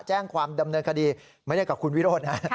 แจ้งความดำเนินคดีไม่ได้กับคุณวิโรธนะ